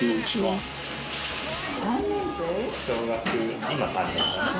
今、３年生。